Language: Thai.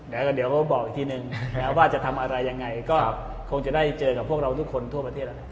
เดี๋ยวบอกอีกทีนึงว่าจะทำอะไรยังไงก็คงจะได้เจอกับพวกเราทุกคนทั่วประเทศแล้ว